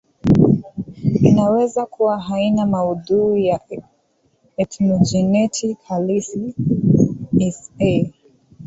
inaweza kuwa haina maudhui ya ethnogenetic halisi S A